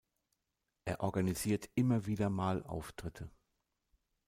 Er organisiert immer wieder mal Auftritte.